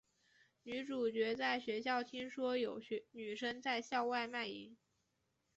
女主角在学校听说有女生在校外卖淫。